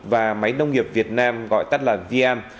và máy nông nghiệp việt nam gọi tắt là vm